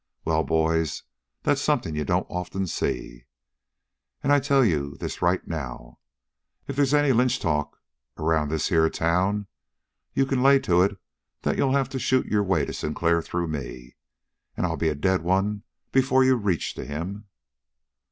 Well, boys, that's something you don't often see. And I tell you this right now: If they's any lynch talk around this here town, you can lay to it that you'll have to shoot your way to Sinclair through me. And I'll be a dead one before you reach to him."